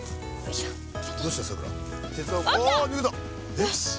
よし！